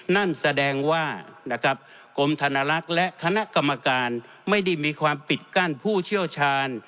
นั่นแสดงว่านะครับกรมธนลักษณ์และคณะกรรมการไม่ได้มีความปิดกั้นผู้เชี่ยวชาญ